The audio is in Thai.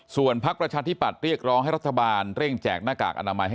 ส่วนพักประชาธิปัตย์เรียกร้องให้รัฐบาลเร่งแจกหน้ากากอนามัยให้